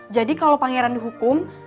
jadi kalo pangeran dihukum